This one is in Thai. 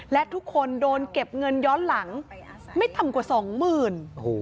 และทุกคนโดนเก็บเงินย้อนหลังไม่ต่ำกว่าสองหมื่น